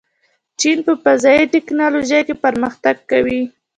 چین په فضايي تکنالوژۍ کې پرمختګ کوي.